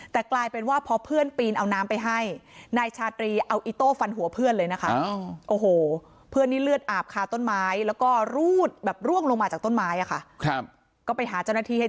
แต่กลายเป็นว่าพอเพื่อนปีนเอาน้ำไปให้